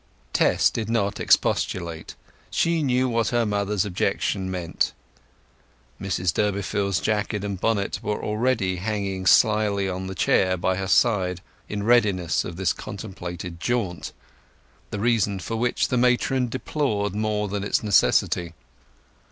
Tess did not expostulate. She knew what her mother's objection meant. Mrs Durbeyfield's jacket and bonnet were already hanging slily upon a chair by her side, in readiness for this contemplated jaunt, the reason for which the matron deplored more than its necessity.